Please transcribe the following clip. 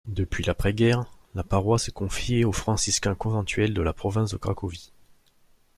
Depuis l'après-guerre, la paroisse est confiée aux franciscains conventuels de la province de Cracovie.